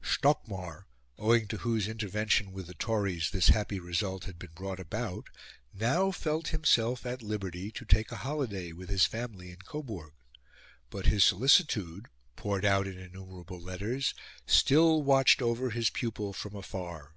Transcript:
Stockmar, owing to whose intervention with the Tories this happy result had been brought about, now felt himself at liberty to take a holiday with his family in Coburg; but his solicitude, poured out in innumerable letters, still watched over his pupil from afar.